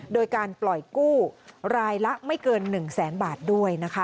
โดยการปล่อยกู้รายละไม่เกิน๑แสนบาทด้วยนะคะ